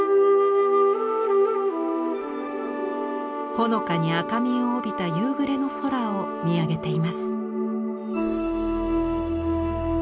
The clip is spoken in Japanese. ほのかに赤みを帯びた夕暮れの空を見上げています。